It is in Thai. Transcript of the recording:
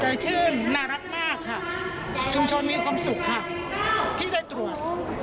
ตัวจริงตัวชื่นนอะแรงมากชุมชนมีความสุขที่ได้ตรวจ